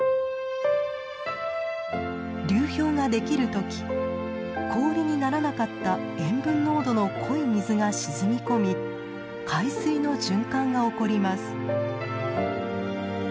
流氷ができる時氷にならなかった塩分濃度の濃い水が沈み込み海水の循環が起こります。